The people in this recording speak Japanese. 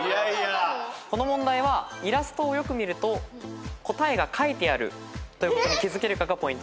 この問題はイラストをよく見ると答えがかいてあるということに気付けるかがポイントです。